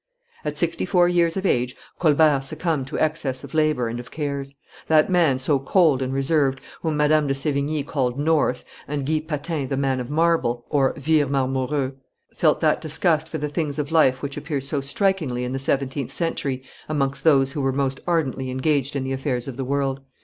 At sixty four years of age Colbert succumbed to excess of labor and of cares. That man, so cold and reserved, whom Madame de Sevigne called North, and Guy Patin the Man of Marble (Vir marmoreus), felt that disgust for the things of life which appears so strikingly in the seventeenth century amongst those who were most ardently engaged in the affairs of the world.